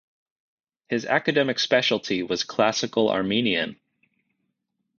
His academic specialty was Classical Armenian.